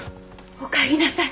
おかえりなさい。